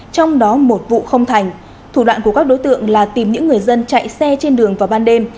trong đó một vụ không thành thủ đoạn của các đối tượng là tìm những người dân chạy xe trên đường vào ban đêm